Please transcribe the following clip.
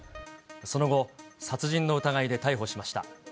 その後、殺人の疑いで逮捕しました。